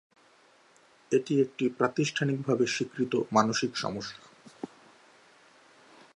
এটি একটি প্রাতিষ্ঠানিকভাবে স্বীকৃত মানসিক সমস্যা।